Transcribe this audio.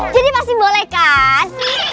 jadi pasti boleh kan